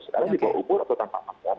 sekarang di bawah umur atau tanpa makan